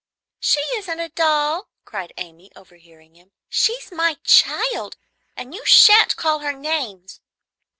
"She isn't a doll," cried Amy, overhearing him; "she's my child, and you sha'n't call her names."